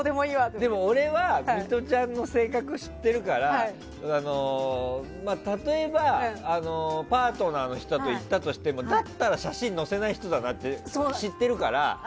でも、俺はミトちゃんの性格を知っているから例えば、パートナーの人と行ったとしてもだったら写真載せない人だなって知ってるから。